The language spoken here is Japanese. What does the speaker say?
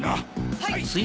はい！